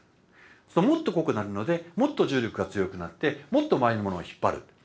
するともっと濃くなるのでもっと重力が強くなってもっと周りのものを引っ張る。